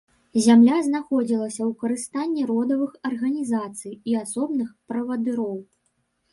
Зямля знаходзілася ў карыстанні родавых арганізацый і асобных правадыроў.